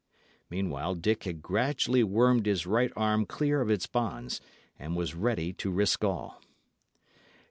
Meanwhile, Dick had gradually wormed his right arm clear of its bonds, and was ready to risk all.